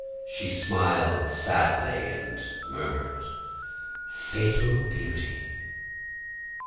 "She smiled sadly, and murmured: "'Fatal beauty!